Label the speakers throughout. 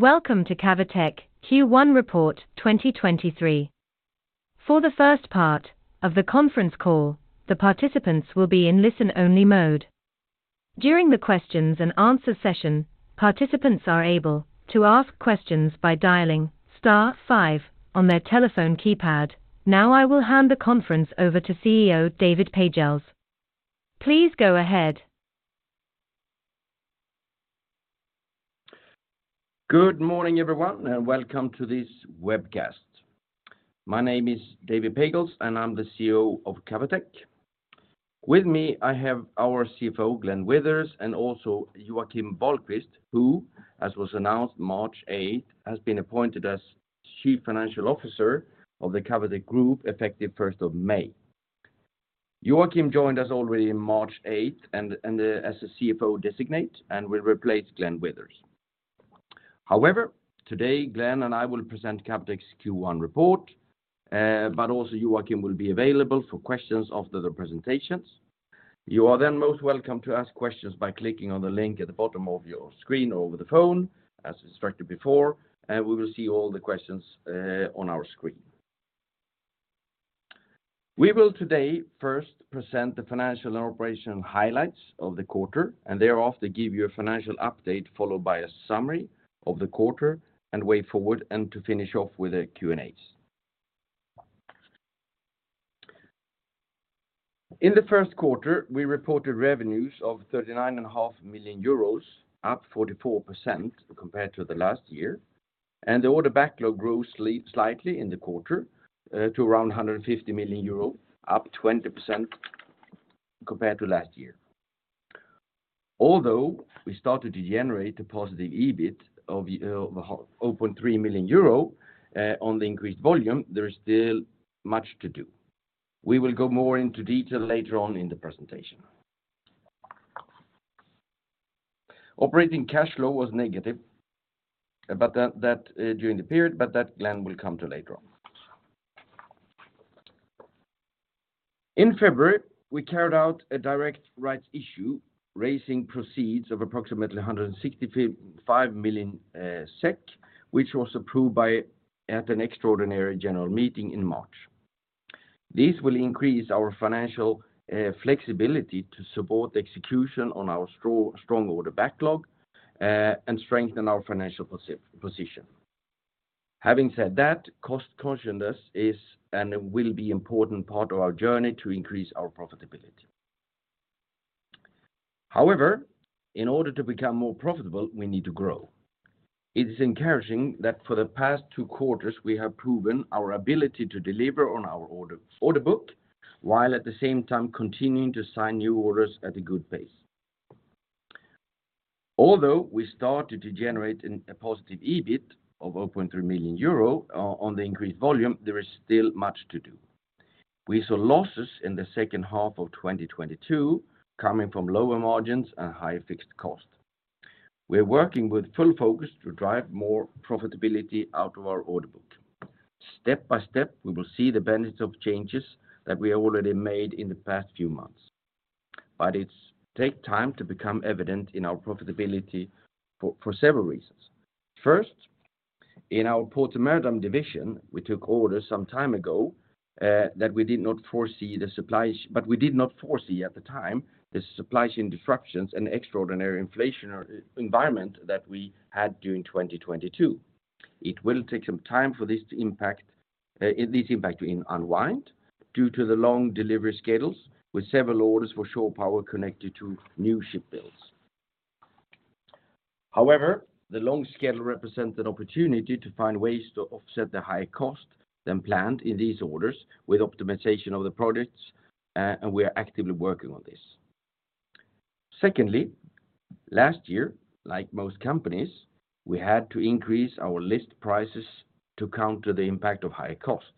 Speaker 1: Welcome to Cavotec Q1 Report 2023. The first part of the conference call, the participants will be in listen-only mode. During the questions and answer session, participants are able to ask questions by dialing star five on their telephone keypad. I will hand the conference over to CEO David Pagels. Please go ahead.
Speaker 2: Good morning, everyone, and welcome to this webcast. My name is David Pagels, and I'm the CEO of Cavotec. With me, I have our CFO, Glenn Withers, and also Joakim Wahlquist, who, as was announced March 8th, has been appointed as Chief Financial Officer of the Cavotec Group, effective May 1st. Joakim joined us already in March 8th and as a CFO designate and will replace Glenn Withers. Today, Glenn and I will present Cavotec's Q1 report, but also Joakim will be available for questions after the presentations. You are most welcome to ask questions by clicking on the link at the bottom of your screen over the phone, as instructed before, and we will see all the questions on our screen. We will today first present the financial and operational highlights of the quarter, thereafter give you a financial update followed by a summary of the quarter and way forward and to finish off with the Q&As. In the first quarter, we reported revenues of 39.5 million euros, up 44% compared to the last year. The order backlog grew slightly in the quarter, to around 150 million euro, up 20% compared to last year. Although we started to generate a positive EBIT of 0.3 million euro, on the increased volume, there is still much to do. We will go more into detail later on in the presentation. Operating cash flow was negative, during the period, that Glenn will come to later on. In February, we carried out a direct rights issue, raising proceeds of approximately 165 million SEK, which was approved at an extraordinary general meeting in March. This will increase our financial flexibility to support the execution on our strong order backlog and strengthen our financial position. Having said that, cost consciousness is and will be important part of our journey to increase our profitability. However, in order to become more profitable, we need to grow. It is encouraging that for the past two quarters, we have proven our ability to deliver on our order book, while at the same time continuing to sign new orders at a good pace. Although we started to generate a positive EBIT of 3 million euro on the increased volume, there is still much to do. We saw losses in the second half of 2022 coming from lower margins and higher fixed costs. We're working with full focus to drive more profitability out of our order book. Step by step, we will see the benefits of changes that we already made in the past few months. It takes time to become evident in our profitability for several reasons. First, in our Ports and Maritime division, we took orders some time ago that we did not foresee the supplies, but we did not foresee at the time, the supply chain disruptions and extraordinary inflationary environment that we had during 2022. It will take some time for this to impact, this impact to unwind due to the long delivery schedules with several orders for shore power connected to new ship builds. The long schedule represents an opportunity to find ways to offset the high cost than planned in these orders with optimization of the products, and we are actively working on this. Secondly, last year, like most companies, we had to increase our list prices to counter the impact of higher cost.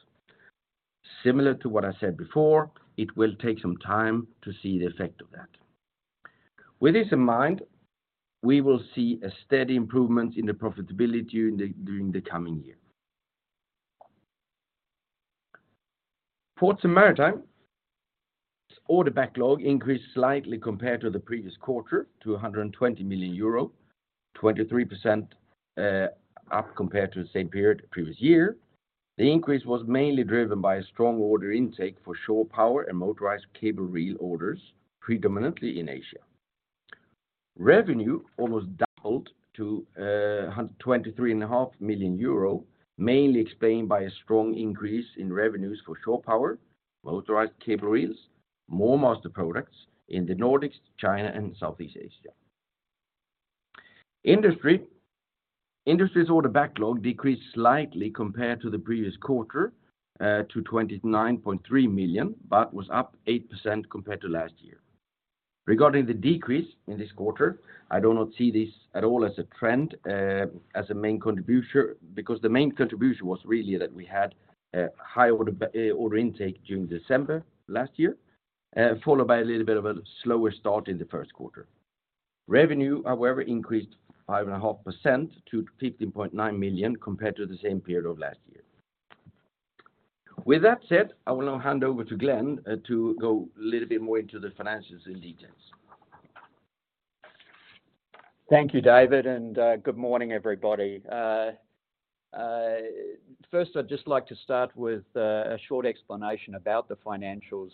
Speaker 2: Similar to what I said before, it will take some time to see the effect of that. With this in mind, we will see a steady improvement in the profitability during the coming year. Ports and Maritime's order backlog increased slightly compared to the previous quarter to 120 million euro, 23% up compared to the same period previous year. The increase was mainly driven by a strong order intake for shore power and motorized cable reel orders, predominantly in Asia. Revenue almost doubled to 123.5 million euro, mainly explained by a strong increase in revenues for shore power, motorized cable reels, MoorMaster products in the Nordics, China and Southeast Asia. Industry's order backlog decreased slightly compared to the previous quarter to 29.3 million, but was up 8% compared to last year. Regarding the decrease in this quarter, I do not see this at all as a trend, because the main contribution was really that we had high order intake during December last year, followed by a little bit of a slower start in the first quarter. Revenue, however, increased 5.5% to 15.9 million compared to the same period of last year. With that said, I will now hand over to Glenn, to go a little bit more into the financials in details.
Speaker 3: Thank you, David, good morning, everybody. First, I'd just like to start with a short explanation about the financials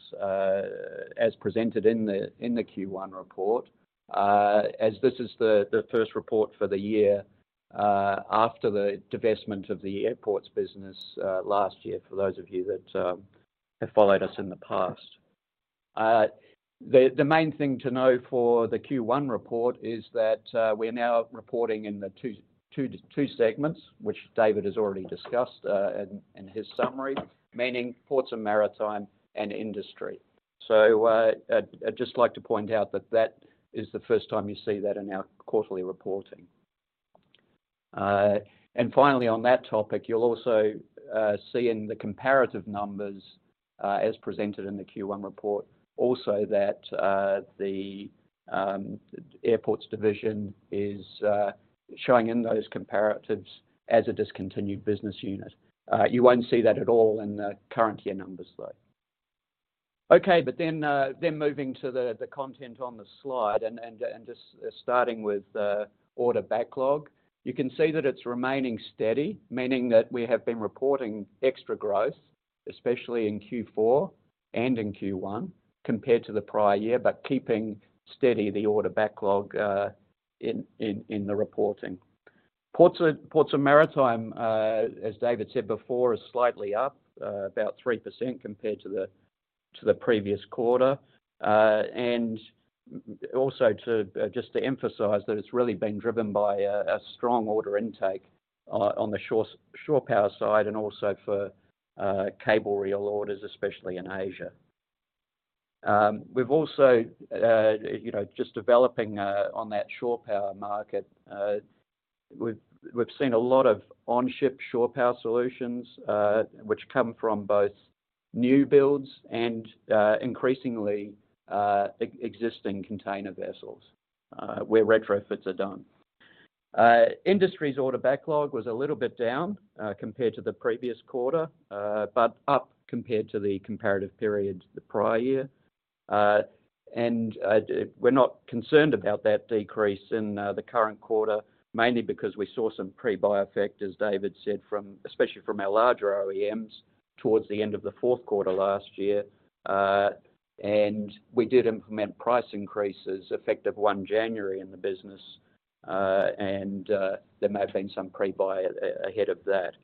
Speaker 3: as presented in the Q1 report. As this is the first report for the year after the divestment of the airports business last year, for those of you that have followed us in the past. The main thing to know for the Q1 report is that we're now reporting in the two segments, which David has already discussed in his summary, meaning Ports and Maritime and Industry. I'd just like to point out that that is the first time you see that in our quarterly reporting. Finally, on that topic, you'll also see in the comparative numbers, as presented in the Q1 report, also that the airports division is showing in those comparatives as a discontinued business unit. You won't see that at all in the current year numbers, though. Moving to the content on the slide and just starting with order backlog, you can see that it's remaining steady, meaning that we have been reporting extra growth, especially in Q4 and in Q1, compared to the prior year, but keeping steady the order backlog in the reporting. Ports and Maritime, as David said before, is slightly up, about 3% compared to the previous quarter. Also to just to emphasize that it's really been driven by a strong order intake on the shore power side and also for cable reel orders, especially in Asia. We've also, you know, just developing on that shore power market, we've seen a lot of onboard shore power solutions, which come from both new builds and increasingly existing container vessels, where retrofits are done. Industry's order backlog was a little bit down compared to the previous quarter, but up compared to the comparative period the prior year. We're not concerned about that decrease in the current quarter, mainly because we saw some pre-buy effect, as David said, from, especially from our larger OEMs towards the end of the fourth quarter last year. We did implement price increases effective 1 January in the business, and there may have been some pre-buy ahead of that.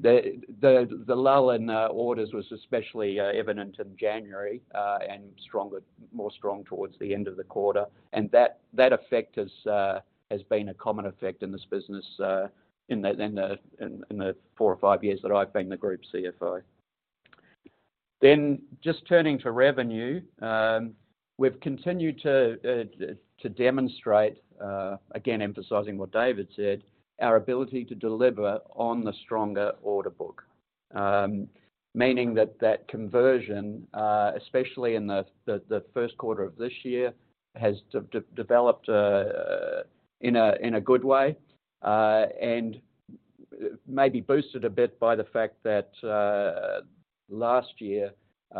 Speaker 3: The lull in orders was especially evident in January, and stronger, more strong towards the end of the quarter. That, that effect has been a common effect in this business, in the four or five years that I've been the Group CFO. Just turning to revenue, we've continued to demonstrate, again, emphasizing what David said, our ability to deliver on the stronger order book. Meaning that that conversion, especially in the first quarter of this year, has developed in a good way, and maybe boosted a bit by the fact that last year,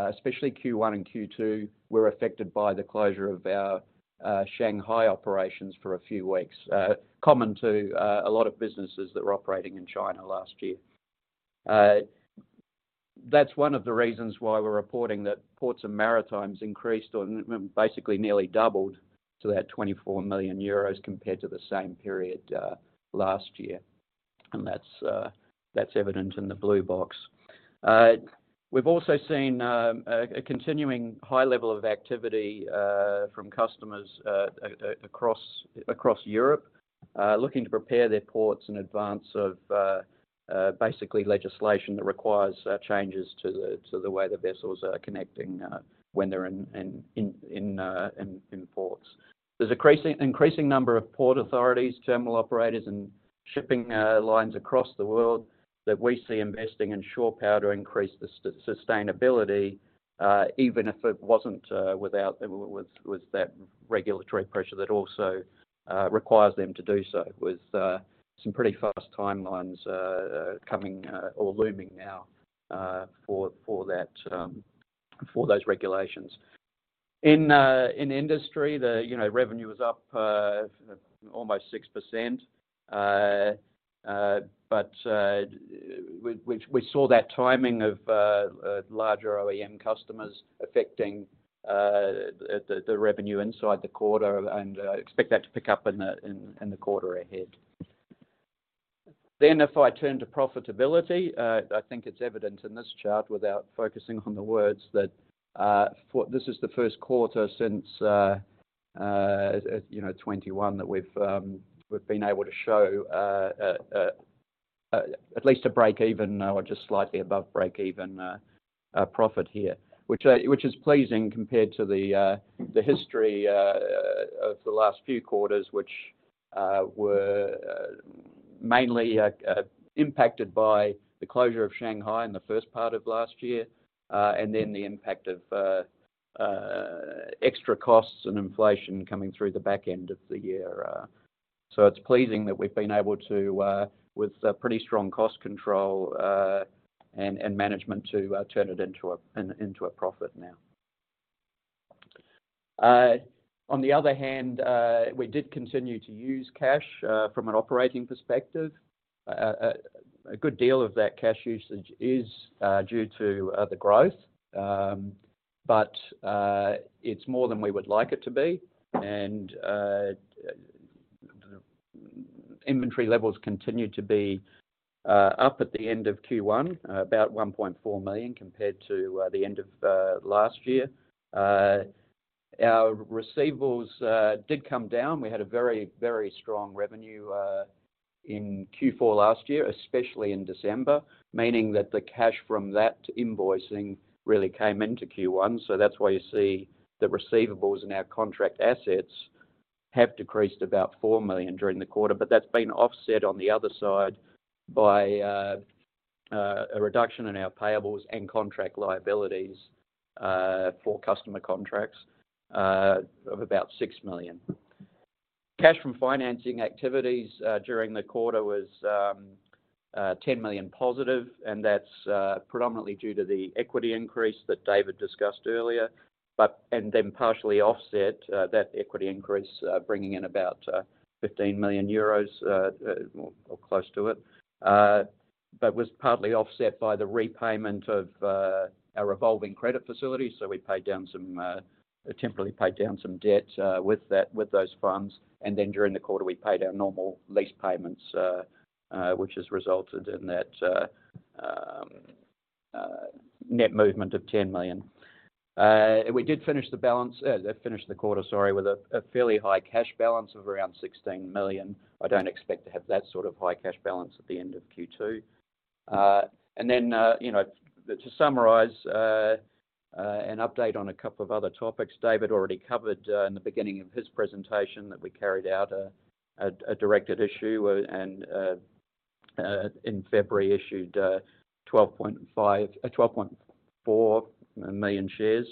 Speaker 3: especially Q1 and Q2, were affected by the closure of our Shanghai operations for a few weeks, common to a lot of businesses that were operating in China last year. That's one of the reasons why we're reporting that Ports and Maritime's increased or basically nearly doubled to that 24 million euros compared to the same period last year. That's evident in the blue box. We've also seen a continuing high level of activity from customers across Europe looking to prepare their ports in advance of basically legislation that requires changes to the way the vessels are connecting when they're in ports. There's increasing number of port authorities, terminal operators and shipping lines across the world that we see investing in shore power to increase the sustainability even if it wasn't without that regulatory pressure that also requires them to do so, with some pretty fast timelines coming or looming now for that for those regulations. In Industry, you know, revenue is up almost 6%. We saw that timing of larger OEM customers affecting the revenue inside the quarter and expect that to pick up in the quarter ahead. If I turn to profitability, I think it's evident in this chart without focusing on the words that this is the first quarter since, you know, 2021 that we've been able to show at least a break even or just slightly above break even profit here. Which is pleasing compared to the history of the last few quarters, which were mainly impacted by the closure of Shanghai in the first part of last year, and then the impact of extra costs and inflation coming through the back end of the year. It's pleasing that we've been able to, with a pretty strong cost control and management, to turn it into a profit now. On the other hand, we did continue to use cash from an operating perspective. A good deal of that cash usage is due to the growth. It's more than we would like it to be. Inventory levels continued to be up at the end of Q1, about 1.4 million compared to the end of last year. Our receivables did come down. We had a very, very strong revenue in Q4 last year, especially in December, meaning that the cash from that invoicing really came into Q1. That's why you see the receivables and our contract assets have decreased about 4 million during the quarter. That's been offset on the other side by a reduction in our payables and contract liabilities for customer contracts of about 6 million. Cash from financing activities during the quarter was 10 million positive, and that's predominantly due to the equity increase that David discussed earlier. Partially offset that equity increase, bringing in about 15 million euros, or close to it, but was partly offset by the repayment of our revolving credit facility. We paid down some temporarily paid down some debt with that, with those funds. During the quarter, we paid our normal lease payments, which has resulted in that net movement of 10 million. We did finish the quarter, sorry, with a fairly high cash balance of around 16 million. I don't expect to have that sort of high cash balance at the end of Q2. You know, to summarize, an update on a couple of other topics David already covered in the beginning of his presentation, that we carried out a directed issue and in February issued 12.4 million shares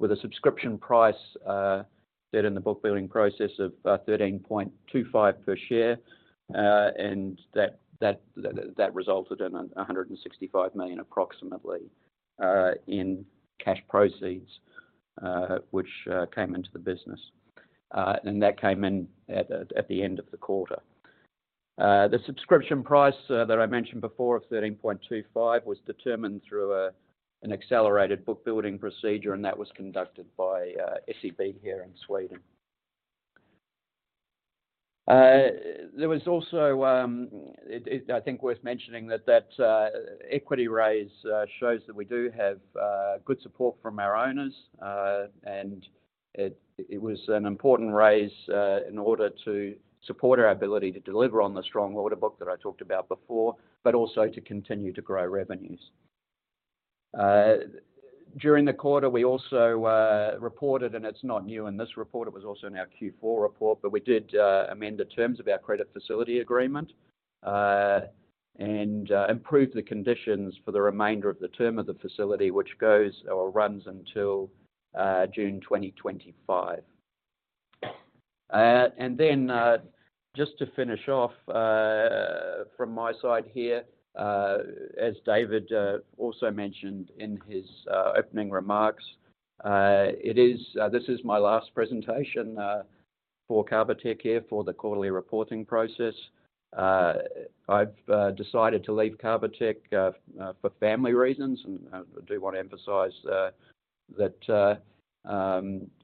Speaker 3: with a subscription price in the book building process of 13.25 per share. That resulted in 165 million approximately in cash proceeds, which came into the business. That came in at the end of the quarter. The subscription price that I mentioned before of 13.25 was determined through an accelerated book building procedure, and that was conducted by SEB here in Sweden. There was also, I think worth mentioning that the equity raise shows that we do have good support from our owners. It was an important raise in order to support our ability to deliver on the strong order book that I talked about before, but also to continue to grow revenues. During the quarter, we also reported, and it's not new in this report, it was also in our Q4 report, but we did amend the terms of our credit facility agreement, and improved the conditions for the remainder of the term of the facility which goes or runs until June 2025. Just to finish off, from my side here, as David also mentioned in his opening remarks, it is, this is my last presentation for Cavotec here for the quarterly reporting process. I've decided to leave Cavotec for family reasons. I do want to emphasize that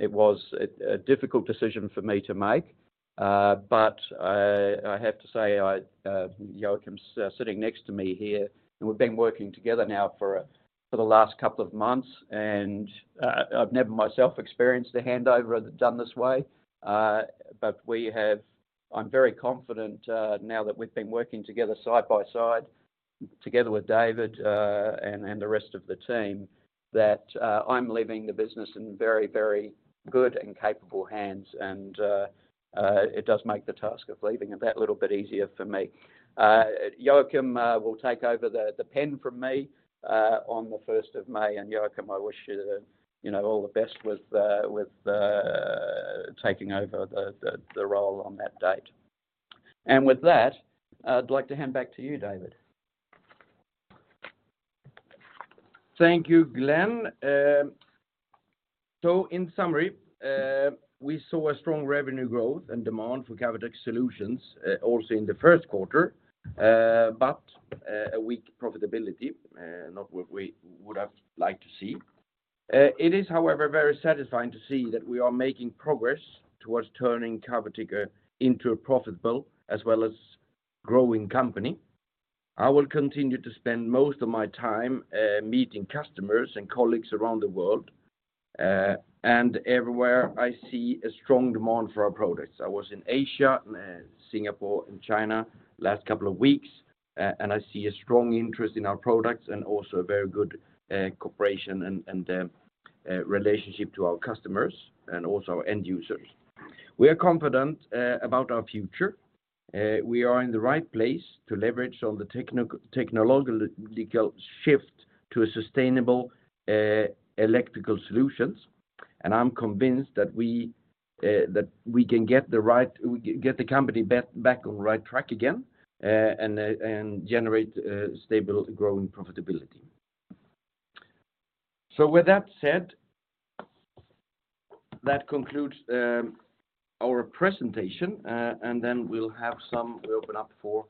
Speaker 3: it was a difficult decision for me to make. I have to say, I, Joakim's sitting next to me here, and we've been working together now for the last couple of months. I've never myself experienced a handover done this way. But I'm very confident, now that we've been working together side by side, together with David, and the rest of the team, that I'm leaving the business in very, very good and capable hands. It does make the task of leaving it that little bit easier for me. Joakim will take over the pen from me, on the first of May. Joakim, I wish you know, all the best with taking over the role on that date. With that, I'd like to hand back to you, David.
Speaker 2: Thank you, Glenn. In summary, we saw a strong revenue growth and demand for Cavotec solutions, also in the first quarter, but a weak profitability, not what we would have liked to see. It is however, very satisfying to see that we are making progress towards turning Cavotec into a profitable as well as growing company. I will continue to spend most of my time meeting customers and colleagues around the world, everywhere I see a strong demand for our products. I was in Asia, Singapore and China last couple of weeks, I see a strong interest in our products and also a very good cooperation and relationship to our customers and also our end users. We are confident about our future. We are in the right place to leverage on the technological shift to a sustainable electrical solutions. I'm convinced that we can get the company back on the right track again and generate stable growing profitability. With that said, that concludes our presentation. We open up for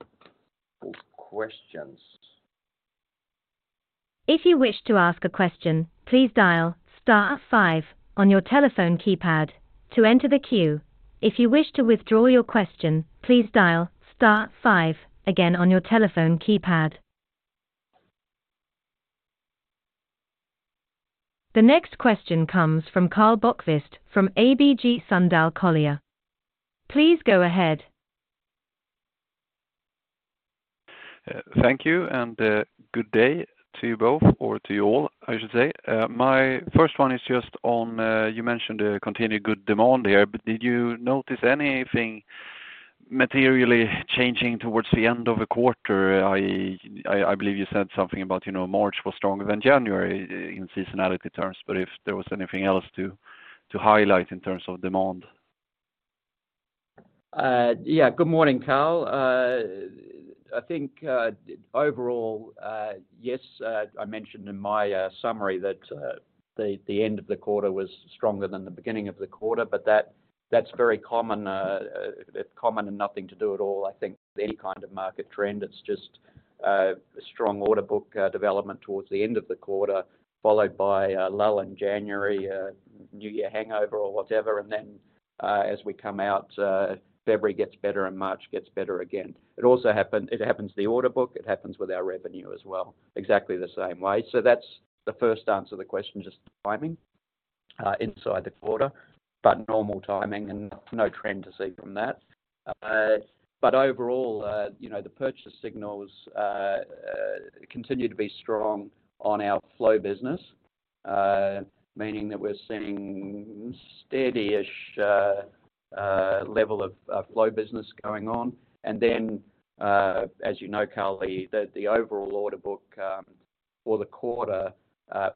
Speaker 2: questions.
Speaker 1: If you wish to ask a question, please dial star five on your telephone keypad to enter the queue. If you wish to withdraw your question, please dial star five again on your telephone keypad. The next question comes from Karl Bokvist from ABG Sundal Collier. Please go ahead.
Speaker 4: Thank you and good day to you both, or to you all, I should say. My first one is just on, you mentioned a continued good demand here, but did you notice anything materially changing towards the end of the quarter? I believe you said something about, you know, March was stronger than January in seasonality terms, but if there was anything else to highlight in terms of demand.
Speaker 3: Good morning, Karl. I think overall, yes, I mentioned in my summary that the end of the quarter was stronger than the beginning of the quarter, that's very common and nothing to do at all, I think, with any kind of market trend. It's just a strong order book development towards the end of the quarter, followed by a lull in January, New Year hangover or whatever. As we come out, February gets better and March gets better again. It happens in the order book, it happens with our revenue as well, exactly the same way. That's the first answer to the question, just the timing inside the quarter, but normal timing and no trend to see from that. Overall, you know, the purchase signals continue to be strong on our flow business, meaning that we're seeing steady-ish level of flow business going on. As you know, Karl, the overall order book for the quarter,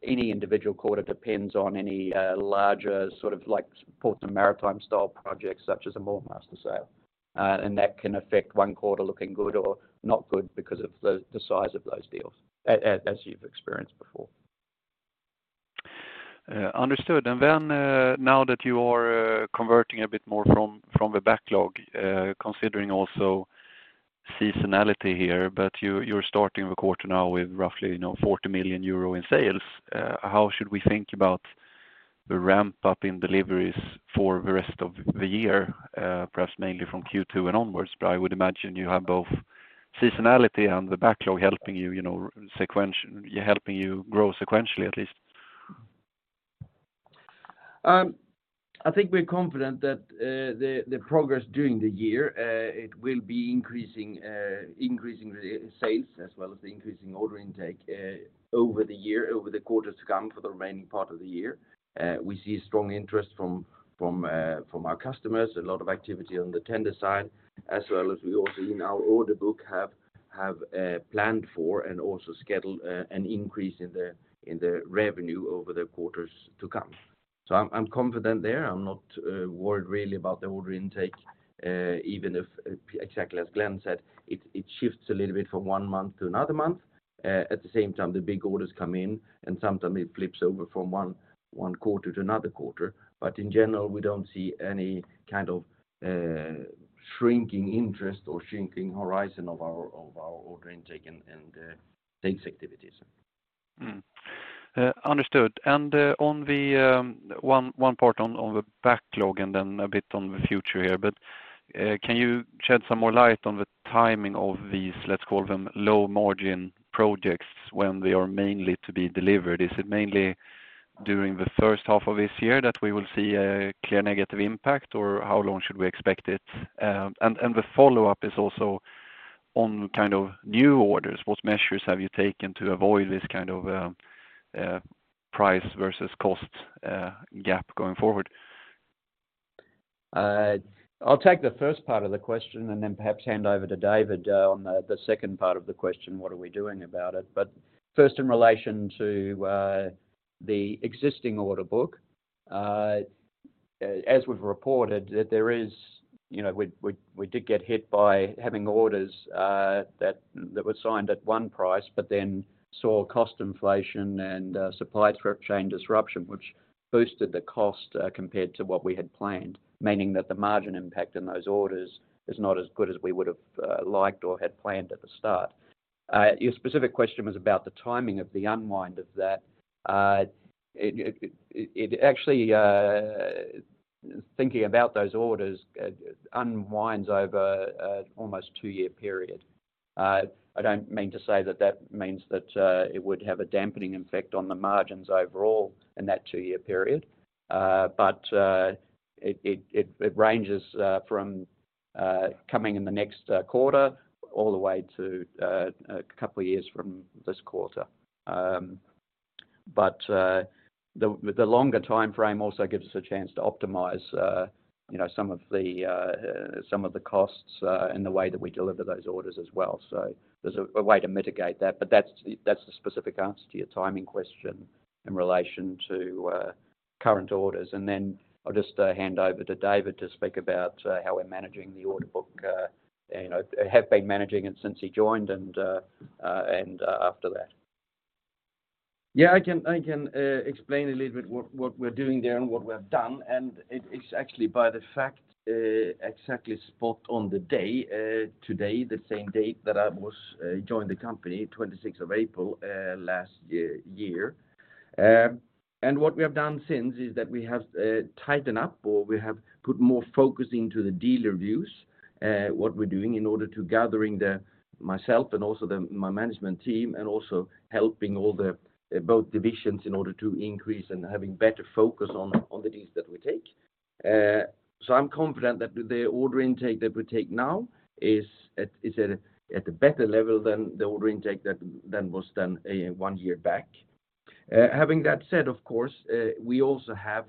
Speaker 3: any individual quarter depends on any larger sort of like Ports and Maritime style projects such as a MoorMaster sale. That can affect one quarter looking good or not good because of the size of those deals as you've experienced before.
Speaker 4: Understood. Now that you are converting a bit more from the backlog, considering also seasonality here, but you're starting the quarter now with roughly, you know, 40 million euro in sales, how should we think about the ramp-up in deliveries for the rest of the year, perhaps mainly from Q2 and onwards? I would imagine you have both seasonality and the backlog helping you know, helping you grow sequentially at least.
Speaker 2: I think we're confident that the progress during the year, it will be increasing the sales as well as the increasing order intake over the year, over the quarters to come for the remaining part of the year. We see strong interest from our customers, a lot of activity on the tender side, as well as we also in our order book have planned for and also scheduled an increase in the revenue over the quarters to come. I'm confident there. I'm not worried really about the order intake, even if, exactly as Glenn said, it shifts a little bit from one month to another month. At the same time, the big orders come in, and sometimes it flips over from one quarter to another quarter. In general, we don't see any kind of shrinking interest or shrinking horizon of our order intake and sales activities.
Speaker 4: Understood. On the one part on the backlog and then a bit on the future here, can you shed some more light on the timing of these, let's call them low margin projects when they are mainly to be delivered? Is it mainly during the first half of this year that we will see a clear negative impact, or how long should we expect it? And the follow-up is also on kind of new orders. What measures have you taken to avoid this kind of price versus cost gap going forward?
Speaker 3: I'll take the first part of the question and then perhaps hand over to David on the second part of the question: what are we doing about it? First in relation to the existing order book. As we've reported, you know, we did get hit by having orders that were signed at one price, but then saw cost inflation and supply chain disruption, which boosted the cost compared to what we had planned, meaning that the margin impact in those orders is not as good as we would have liked or had planned at the start. Your specific question was about the timing of the unwind of that. It actually, thinking about those orders, unwinds over an almost two-year period. I don't mean to say that that means that it would have a dampening effect on the margins overall in that two-year period. It ranges from coming in the next quarter all the way to a couple of years from this quarter. The longer timeframe also gives us a chance to optimize, you know, some of the costs and the way that we deliver those orders as well. There's a way to mitigate that, but that's the specific answer to your timing question in relation to current orders. Then I'll just hand over to David to speak about how we're managing the order book and, you know, have been managing it since he joined and after that.
Speaker 2: I can explain a little bit what we're doing there and what we have done. It's actually by the fact exactly spot on the day today, the same date that I was joined the company, 26th of April last year. What we have done since is that we have tighten up or we have put more focus into the dealer views. What we're doing in order to gathering the, myself and also the, my management team, and also helping all the, both divisions in order to increase and having better focus on the deals that we take. I'm confident that the order intake that we take now is at a better level than the order intake that was done one year back. Having that said, of course, we also have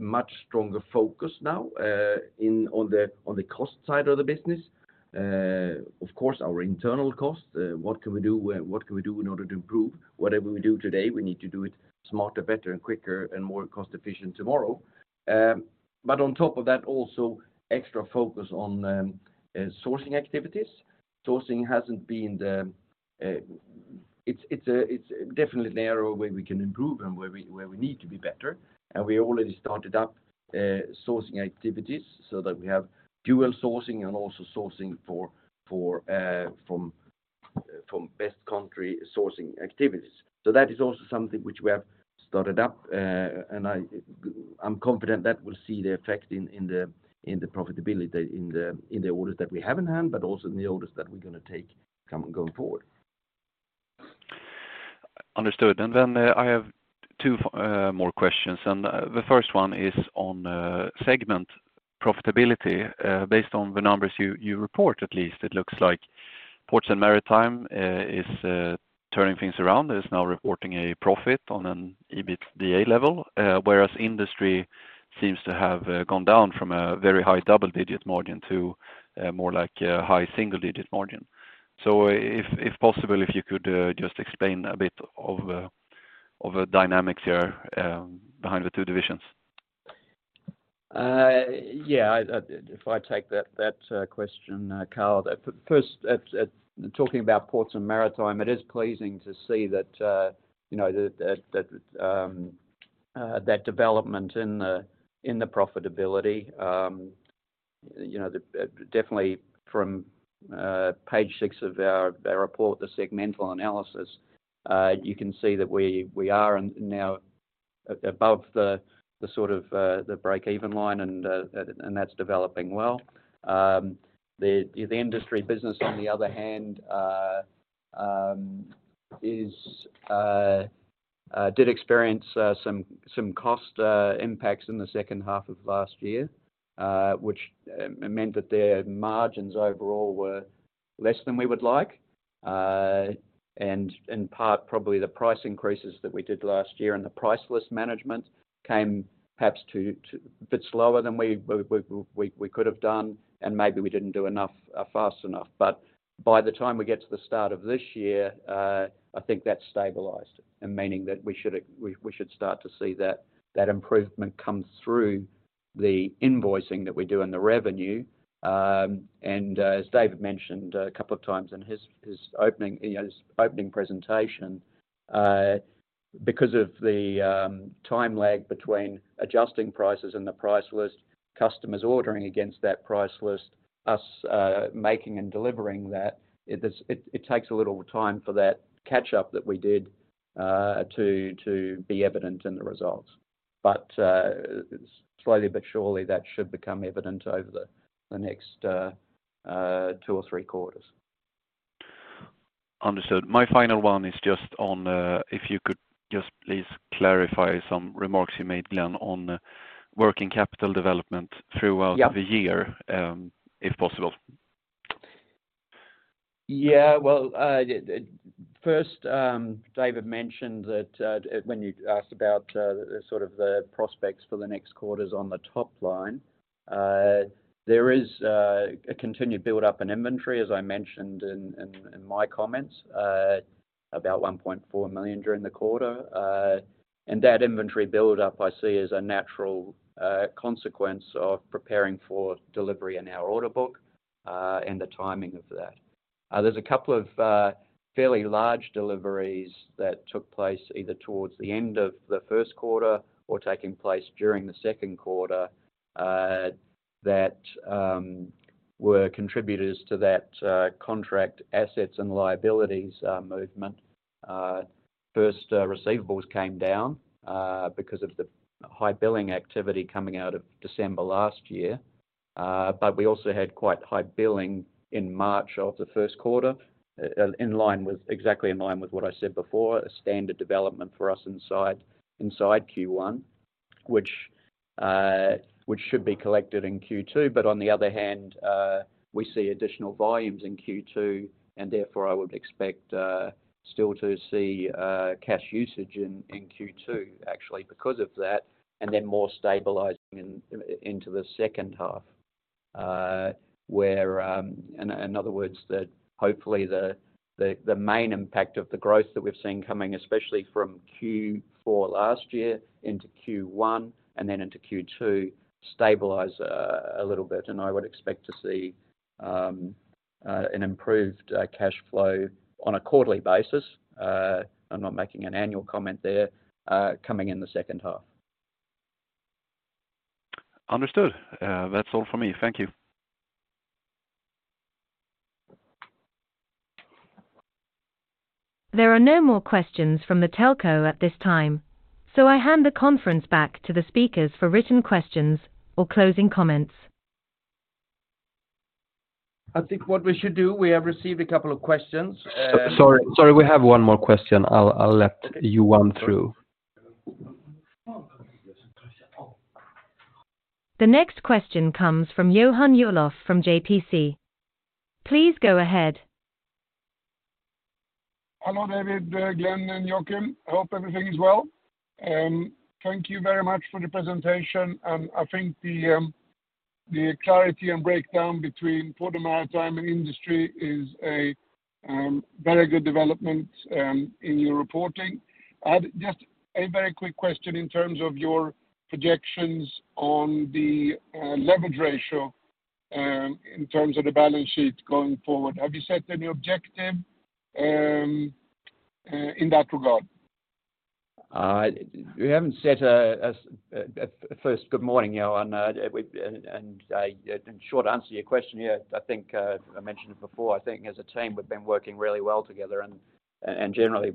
Speaker 2: much stronger focus now on the cost side of the business. Of course, our internal costs, what can we do in order to improve whatever we do today? We need to do it smarter, better, and quicker, and more cost-efficient tomorrow. On top of that, also extra focus on sourcing activities. Sourcing hasn't been the. It's definitely an area where we can improve and where we need to be better. We already started up sourcing activities so that we have dual sourcing and also sourcing for best country sourcing activities. That is also something which we have started up. I'm confident that will see the effect in the profitability in the orders that we have in hand, but also in the orders that we're gonna take come, going forward.
Speaker 4: Understood. I have two more questions. The first one is on segment profitability. Based on the numbers you report, at least it looks like Ports & Maritime is turning things around. It's now reporting a profit on an EBITDA level, whereas Industry seems to have gone down from a very high double-digit margin to more like a high single-digit margin. If possible, if you could just explain a bit of the dynamics here behind the two divisions.
Speaker 3: Yeah, I, if I take that question, Karl. First, at talking about Ports and Maritime, it is pleasing to see that, you know, that development in the profitability. You know, definitely from page 6 of our report, the segmental analysis, you can see that we are in now above the sort of the break-even line and that's developing well. The Industry business, on the other hand, is did experience some cost impacts in the second half of last year, which meant that their margins overall were less than we would like. In part, probably the price increases that we did last year and the price list management came perhaps too a bit slower than we could have done, and maybe we didn't do enough fast enough. By the time we get to the start of this year, I think that's stabilized, and meaning that we should've we should start to see that improvement come through the invoicing that we do and the revenue. As David mentioned a couple of times in his opening presentation, because of the time lag between adjusting prices and the price list, customers ordering against that price list, us making and delivering that, it is it takes a little time for that catch up that we did to be evident in the results. Slowly but surely, that should become evident over the next, two or three quarters.
Speaker 4: Understood. My final one is just on, if you could just please clarify some remarks you made, Glenn, on working capital development throughout.
Speaker 3: Yeah.
Speaker 4: The year, if possible.
Speaker 3: Yeah. Well, first, David mentioned that when you asked about the sort of the prospects for the next quarters on the top line, there is a continued build up in inventory, as I mentioned in my comments, about 1.4 million during the quarter. That inventory buildup I see as a natural consequence of preparing for delivery in our order book, and the timing of that. There's a couple of fairly large deliveries that took place either towards the end of the first quarter or taking place during the second quarter, that were contributors to that contract assets and liabilities movement. First, receivables came down because of the high billing activity coming out of December last year. We also had quite high billing in March of the first quarter, in line with, exactly in line with what I said before, a standard development for us inside Q1, which should be collected in Q2. On the other hand, we see additional volumes in Q2, and therefore I would expect, still to see, cash usage in Q2 actually because of that, and then more stabilizing in, into the second half. Where, in other words, that hopefully the main impact of the growth that we've seen coming, especially from Q4 last year into Q1 and then into Q2, stabilize a little bit. I would expect to see an improved cash flow on a quarterly basis, I'm not making an annual comment there, coming in the second half.
Speaker 4: Understood. That's all for me. Thank you.
Speaker 1: There are no more questions from the telco at this time, so I hand the conference back to the speakers for written questions or closing comments.
Speaker 2: I think what we should do, we have received a couple of questions.
Speaker 3: Sorry, we have one more question. I'll let Johan through.
Speaker 1: The next question comes from Johan Dahl from JPC. Please go ahead.
Speaker 5: Hello, David, Glenn, and Joakim. Hope everything is well. Thank you very much for the presentation. I think the clarity and breakdown between Ports and Maritime and Industry is a very good development in your reporting. I had just a very quick question in terms of your projections on the leverage ratio, in terms of the balance sheet going forward. Have you set any objective in that regard?
Speaker 3: We haven't set. First, good morning, Johan. In short answer to your question, yeah, I think I mentioned it before, I think as a team, we've been working really well together and generally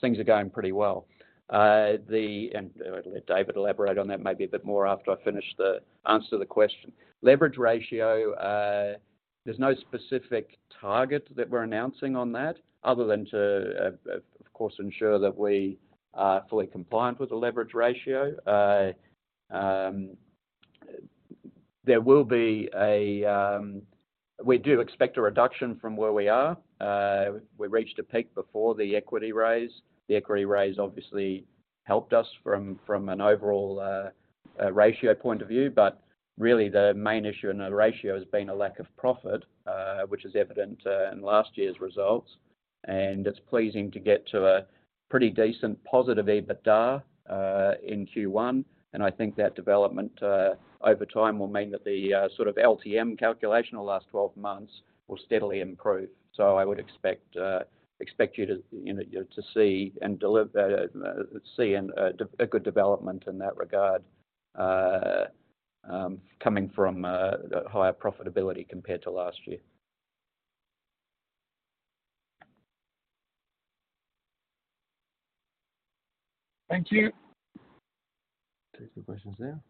Speaker 3: things are going pretty well. I'll let David elaborate on that maybe a bit more after I finish the answer to the question. Leverage ratio, there's no specific target that we're announcing on that other than to, of course, ensure that we are fully compliant with the leverage ratio. There will be a reduction from where we are. We reached a peak before the equity raise. The equity raise obviously helped us from an overall ratio point of view. Really the main issue in the ratio has been a lack of profit, which is evident in last year's results. It's pleasing to get to a pretty decent positive EBITDA in Q1. I think that development over time will mean that the sort of LTM calculation the last 12 months will steadily improve. I would expect you to, you know, to see a good development in that regard coming from the higher profitability compared to last year.
Speaker 5: Thank you.
Speaker 2: Take the questions now.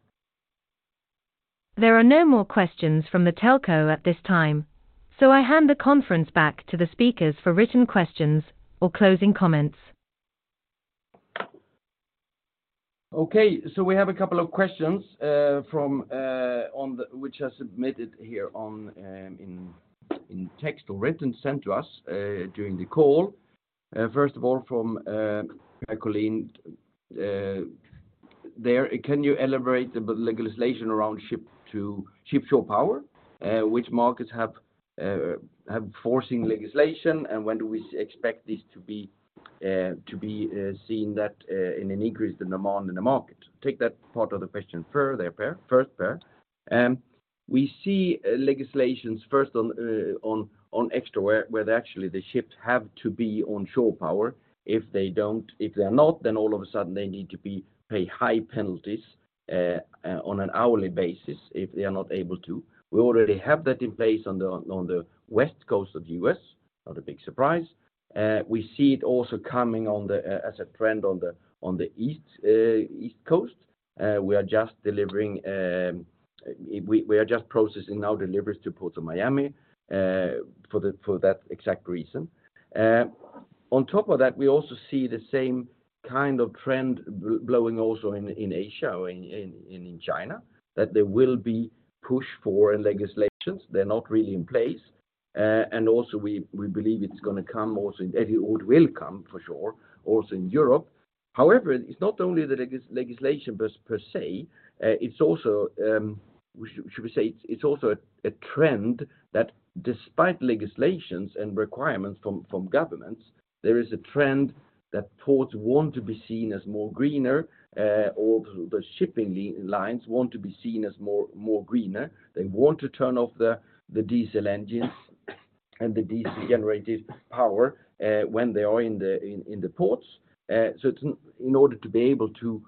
Speaker 1: There are no more questions from the telco at this time. I hand the conference back to the speakers for written questions or closing comments.
Speaker 2: We have a couple of questions which are submitted here in text or written, sent to us during the call. First of all from Colleen there. Can you elaborate the legislation around ship shore power? Which markets have forcing legislation and when do we expect this to be seen that in an increase in demand in the market? Take that part of the question further, Per. First, Per. We see legislations first on extra where actually the ships have to be on shore power. If they're not, all of a sudden they need to be paid high penalties on an hourly basis if they are not able to. We already have that in place on the West Coast of the U.S., not a big surprise. We see it also coming on the as a trend on the East Coast. We are just processing now deliveries to Port of Miami for that exact reason. On top of that, we also see the same kind of trend blowing also in Asia or in China, that there will be push for legislations. They're not really in place. Also we believe it's gonna come also, and it will come for sure, also in Europe. However, it's not only the legislation per se. It's also, should we say, it's also a trend that despite legislations and requirements from governments, there is a trend that ports want to be seen as more greener, or the shipping lines want to be seen as more greener. They want to turn off the diesel engines and the diesel generated power when they are in the ports. In order to be able to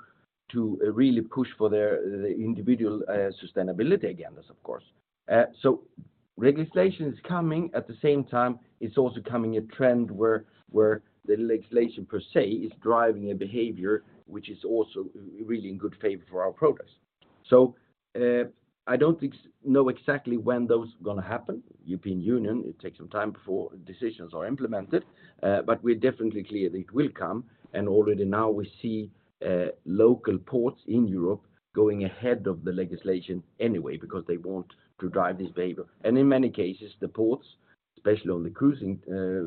Speaker 2: really push for the individual sustainability agendas, of course. Legislation is coming. At the same time, it's also coming a trend where the legislation per se is driving a behavior which is also really in good favor for our progress. I don't know exactly when those gonna happen. European Union, it takes some time before decisions are implemented. We're definitely clear that it will come. Already now we see local ports in Europe going ahead of the legislation anyway because they want to drive this vehicle. In many cases, the ports, especially on the cruising,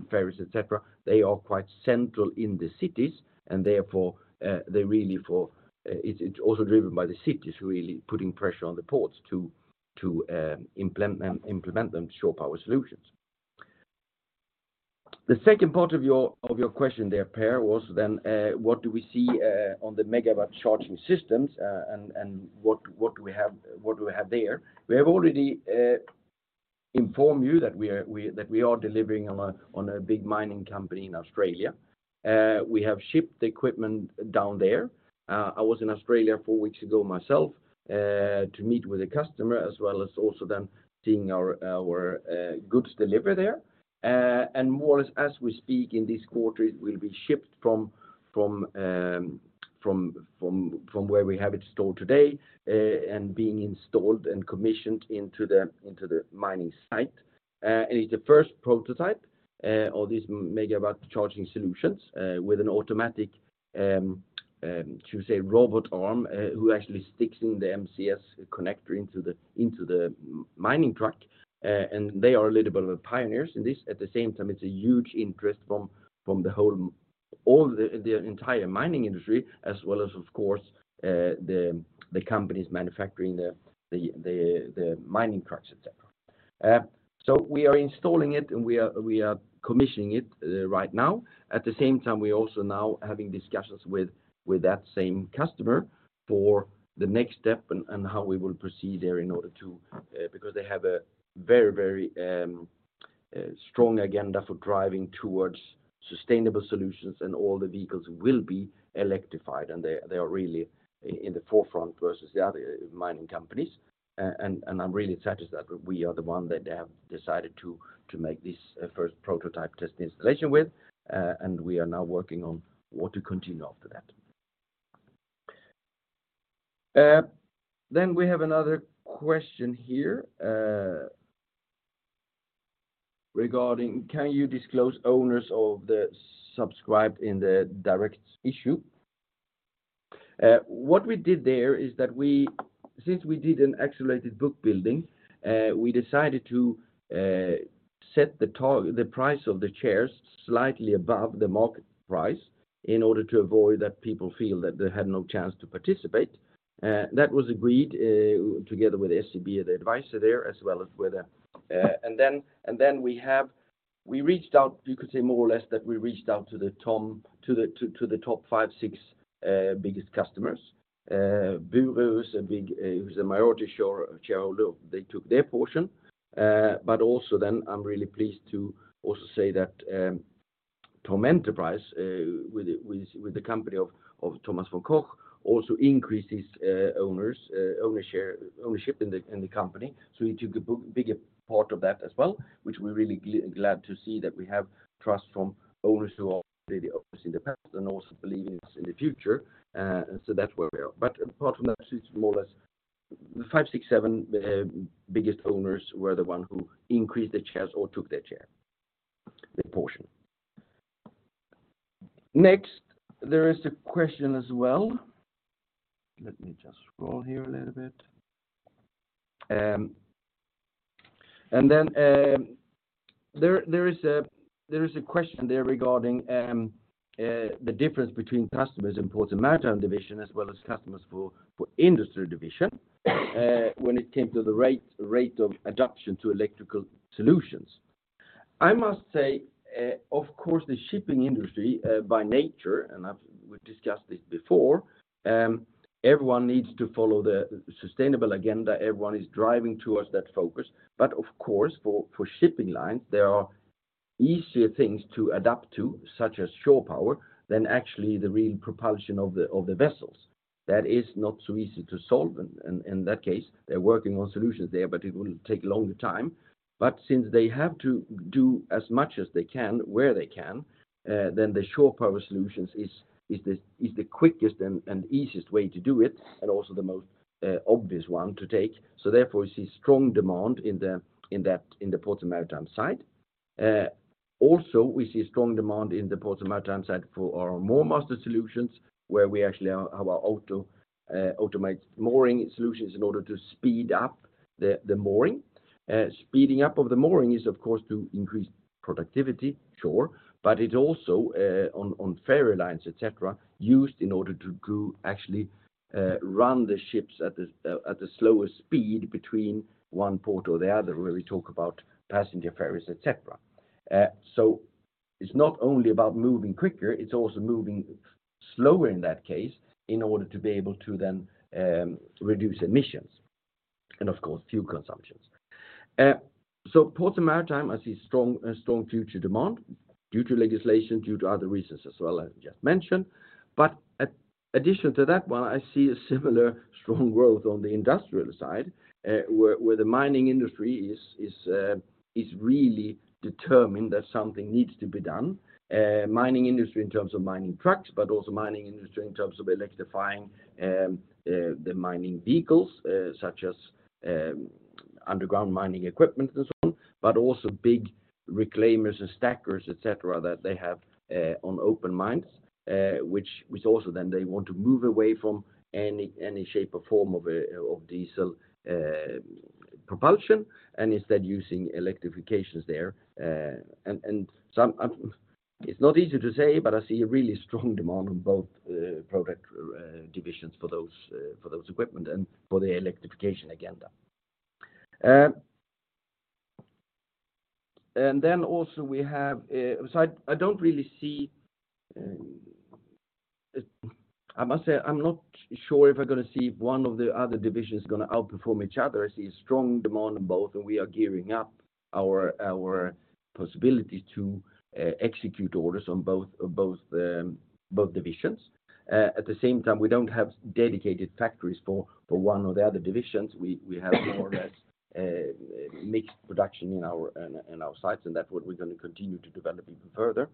Speaker 2: ferries, etc., they are quite central in the cities, and therefore, they really It's also driven by the cities really putting pressure on the ports to implement them shore power solutions. The second part of your question there, Per, was then what do we see on the Megawatt Charging System systems, and what do we have there? We have already informed you that we are delivering on a big mining company in Australia. We have shipped the equipment down there. I was in Australia four weeks ago myself, to meet with a customer as well as also then seeing our goods delivered there. More as we speak in this quarter, it will be shipped from where we have it stored today, and being installed and commissioned into the mining site. It's the first prototype of these megawatt charging solutions, with an automatic, should we say, robot arm, who actually sticks in the MCS connector into the mining truck. They are a little bit of pioneers in this. At the same time, it's a huge interest from the whole, all the entire mining industry, as well as of course, the companies manufacturing the mining trucks, etc. We are installing it, and we are commissioning it right now. At the same time, we're also now having discussions with that same customer for the next step and how we will proceed there in order to, because they have a very, very strong agenda for driving towards sustainable solutions, and all the vehicles will be electrified. They are really in the forefront versus the other mining companies. I'm really satisfied that we are the one that they have decided to make this first prototype test installation with. We are now working on what to continue after that. We have another question here regarding can you disclose owners of the subscribed in the direct issue? What we did there is that we, since we did an accelerated book building, we decided to set the target, the price of the shares slightly above the market price in order to avoid that people feel that they had no chance to participate. That was agreed together with SEB, the advisor there, as well as with the. We reached out, you could say more or less that we reached out to the top five, six biggest customers. Bure is a big, who's a majority shareholder, they took their portion. Also then I'm really pleased to also say that, ThomEnterprise, with the company of Thomas von Koch also increased his owners, owner share, ownership in the company. He took a bigger part of that as well, which we're really glad to see that we have trust from owners who are already owners in the past and also believe in us in the future. That's where we are. Apart from that, it's more or less 5-7, biggest owners were the one who increased their shares or took their share, their portion. There is a question as well. Let me just scroll here a little bit. There is a question there regarding the difference between customers in Port to Maritime division as well as customers for Industry division when it came to the rate of adoption to electrical solutions. I must say, of course, the shipping industry, by nature, and I've, we've discussed this before, everyone needs to follow the sustainable agenda. Everyone is driving towards that focus. Of course, for shipping lines, there are easier things to adapt to, such as shore power, than actually the real propulsion of the vessels. That is not so easy to solve and in that case, they're working on solutions there, but it will take a longer time. Since they have to do as much as they can where they can, the shore power solutions is the quickest and easiest way to do it and also the most obvious one to take. Therefore, we see strong demand in the Ports and Maritime side. Also we see strong demand in the Ports and Maritime side for our MoorMaster solutions, where we actually our automated mooring solutions in order to speed up the mooring. Speeding up of the mooring is of course to increase productivity, sure, it also on ferry lines, etc., used in order to actually run the ships at the slower speed between one port or the other, where we talk about passenger ferries, etc. It's not only about moving quicker, it's also moving slower in that case in order to be able to then reduce emissions and of course fuel consumptions. Ports and Maritime, I see strong future demand due to legislation, due to other reasons as well, as I just mentioned. Addition to that one, I see a similar strong growth on the Industry side, where the mining industry is really determined that something needs to be done. Mining industry in terms of mining trucks, but also mining industry in terms of electrifying the mining vehicles, such as Underground mining equipment and so on, but also big reclaimers and stackers, et cetera, that they have on open mines, which also then they want to move away from any shape or form of diesel propulsion and instead using electrifications there. It's not easy to say, but I see a really strong demand on both product divisions for those equipment and for the electrification agenda. I don't really see, I must say I'm not sure if I'm gonna see one of the other divisions gonna outperform each other. I see a strong demand on both, and we are gearing up our possibility to execute orders on both divisions. At the same time, we don't have dedicated factories for one or the other divisions. We have more or less mixed production in our sites, and that what we're gonna continue to develop even further.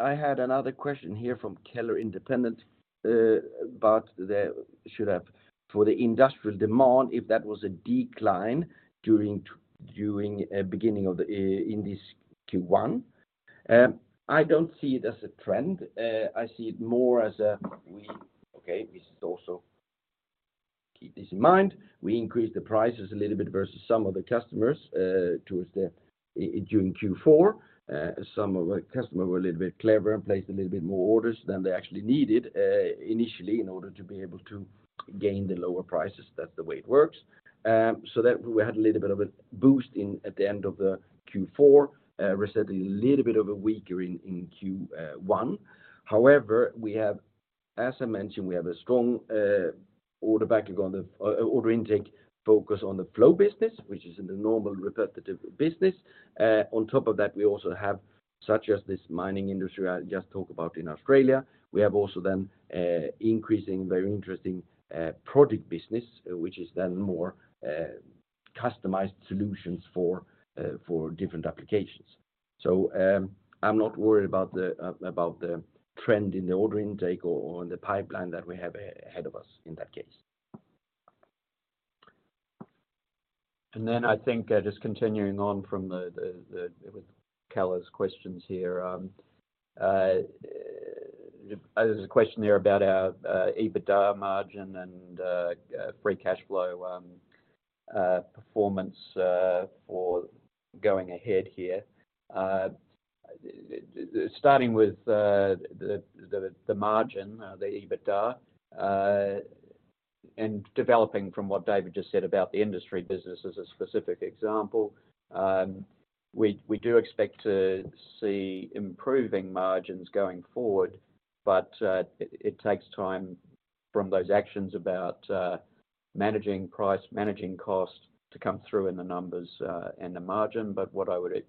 Speaker 2: I had another question here from Keller Independent about the industrial demand, if that was a decline during beginning of the in this Q1. I don't see it as a trend. I see it more as a. Okay, this is also keep this in mind. We increased the prices a little bit versus some of the customers towards the during Q4. Some of our customer were a little bit clever and placed a little bit more orders than they actually needed initially in order to be able to gain the lower prices. That's the way it works. So that we had a little bit of a boost in at the end of the Q4, recently a little bit of a weaker in Q1. However, we have, as I mentioned, we have a strong order back on the order intake focus on the flow business, which is in the normal repetitive business. On top of that, we also have such as this mining industry I just talked about in Australia. We have also then increasing very interesting product business, which is then more customized solutions for different applications. I'm not worried about the trend in the order intake or in the pipeline that we have ahead of us in that case.
Speaker 3: I think, just continuing on from Keller's questions here, there's a question there about our EBITDA margin and free cash flow performance for going ahead here. Starting with the margin, the EBITDA, and developing from what David just said about the Industry business as a specific example, we do expect to see improving margins going forward, but it takes time from those actions about managing price, managing cost to come through in the numbers and the margin. What I would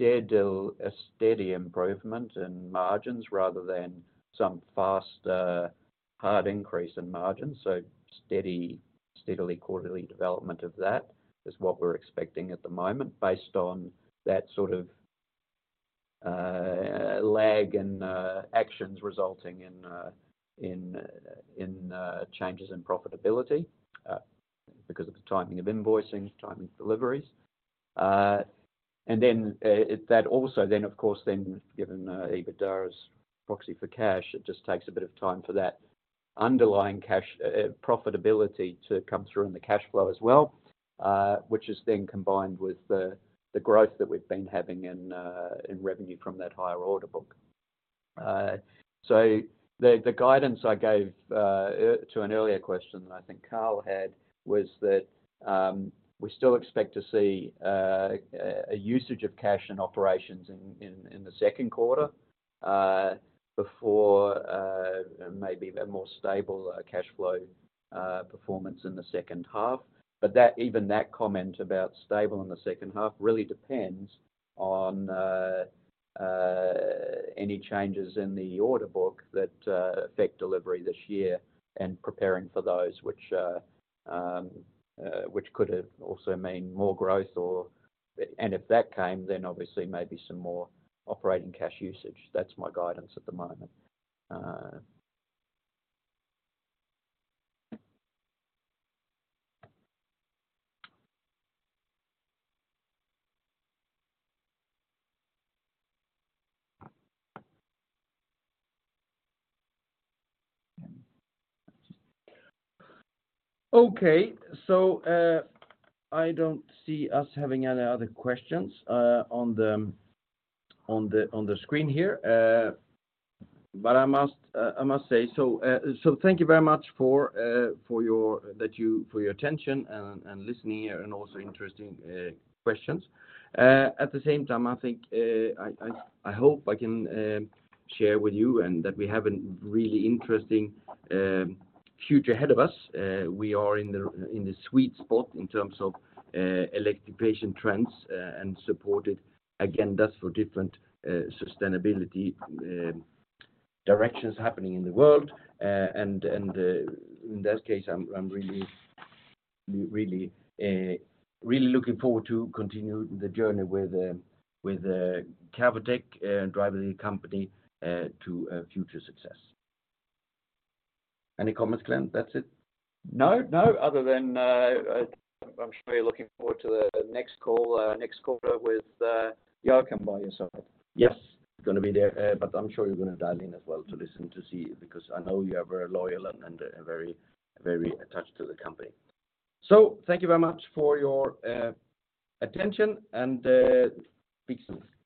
Speaker 3: expect is a steady improvement in margins rather than some fast, hard increase in margins. Steady, steadily quarterly development of that is what we're expecting at the moment based on that sort of, lag in actions resulting in changes in profitability, because of the timing of invoicing, timing of deliveries. That also then of course then given, EBITDA's proxy for cash, it just takes a bit of time for that underlying cash, profitability to come through in the cash flow as well, which is then combined with the growth that we've been having in revenue from that higher order book. The guidance I gave to an earlier question that I think Karl had was that we still expect to see a usage of cash in operations in the second quarter before maybe a more stable cash flow performance in the second half. That, even that comment about stable in the second half really depends on any changes in the order book that affect delivery this year and preparing for those which could also mean more growth or. If that came, obviously maybe some more operating cash usage. That's my guidance at the moment.
Speaker 2: Okay. I don't see us having any other questions on the screen here. I must say thank you very much for your attention and listening and also interesting questions. At the same time, I think I hope I can share with you and that we have a really interesting future ahead of us. We are in the sweet spot in terms of electrification trends and supported, again, thus for different sustainability directions happening in the world. In that case, I'm really looking forward to continuing the journey with Cavotec, driving the company to future success. Any comments, Glenn? That's it?
Speaker 3: No, no, other than, I'm sure you're looking forward to the next call, with Joakim by your side.
Speaker 2: Yes. Gonna be there, I'm sure you're gonna dial in as well to listen, to see, because I know you are very loyal and very attached to the company.
Speaker 3: Thank you very much for your attention and be safe.